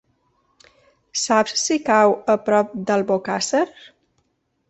Saps si cau a prop d'Albocàsser?